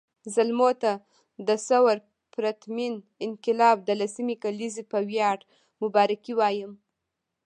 زلمو ته د ثور پرتمین انقلاب د لسمې کلېزې په وياړ مبارکي وایم